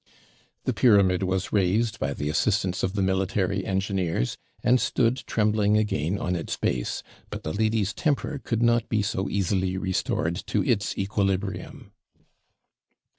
The pyramid was raised by the assistance of the military engineers, and stood trembling again on its base; but the lady's temper could not be so easily restored to its equilibrium.